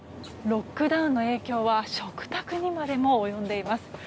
ロックダウンの影響は食卓にまでも及んでいます。